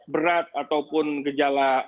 berat ataupun gejala